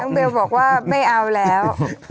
เบลบอกว่าไม่เอาแล้ว